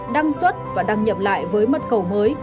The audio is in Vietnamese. đăng xuất và đăng nhập lại với mật khẩu mới